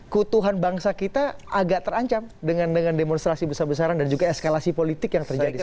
kutuhan bangsa kita agak terancam dengan demonstrasi besar besaran dan juga eskalasi politik yang terjadi sekarang